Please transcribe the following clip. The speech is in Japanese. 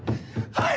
はい！